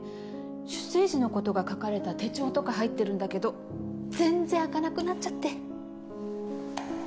出生時の事が書かれた手帳とか入ってるんだけど全然開かなくなっちゃって。